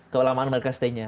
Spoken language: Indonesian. kelelamaan mereka stay nya